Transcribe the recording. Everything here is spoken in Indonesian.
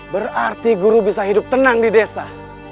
berarti guru bisa hidup tenang di desa